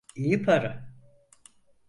İyi para.